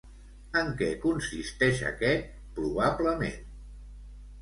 En què consisteix aquest, probablement?